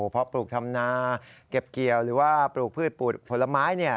พอปลูกทำนาเก็บเกี่ยวหรือว่าปลูกพืชปลูกผลไม้